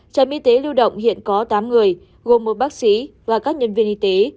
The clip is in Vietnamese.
trạm y tế lưu động hiện có tám người gồm một bác sĩ và các nhân viên y tế